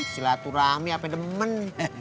silaturahmi apa demen